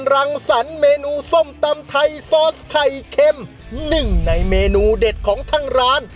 รังสรรค์เมนูส้มตำไทยซอสไข่เค็มหนึ่งในเมนูเด็ดของทางร้าน